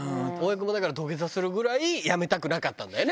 君も土下座するぐらいやめたくなかったんだよね。